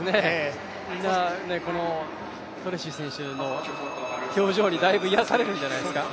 みんなトレイシー選手の表情に、だいぶ癒やされるんじゃないですか。